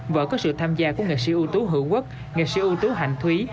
vợ có sự tham gia của nghệ sĩ ưu tú hữu quốc nghệ sĩ ưu tú hạnh thúy